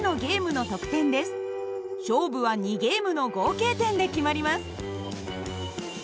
勝負は２ゲームの合計点で決まります。